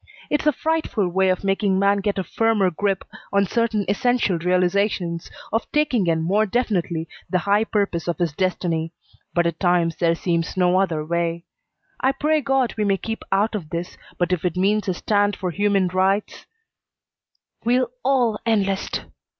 It's a frightful way of making man get a firmer grip on certain essential realizations, of taking in more definitely the high purpose of his destiny, but at times there seems no other way. I pray God we may keep out of this, but if it means a stand for human rights " "We'll all enlist!"